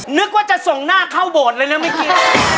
นึกว่าจะส่งหน้าเข้าโบสถ์เลยนะเมื่อกี้